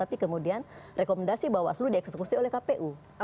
tapi kemudian rekomendasi di bawah seluruh di eksekusi oleh kpu